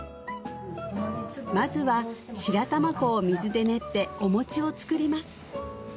まずは白玉粉を水で練ってお餅を作ります